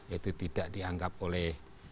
itu tidak dianggap oleh